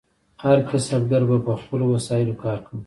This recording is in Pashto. هر کسبګر به په خپلو وسایلو کار کاوه.